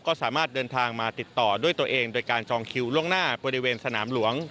ก็สามารถเดินทางมาติดต่อด้วยตัวเองโดยการจองคิวล่วงหน้าบริเวณสนามหลวง